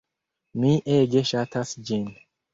Mi ege ŝatas ĝin.